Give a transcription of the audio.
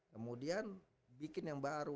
kemudian bikin yang baru